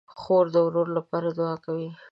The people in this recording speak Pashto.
خور د ورور لپاره دعا کوي.